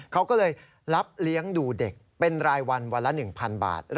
เขาก็เลยรับเลี้ยงดูเด็กเป็นรายวันวันละ๑๐๐บาท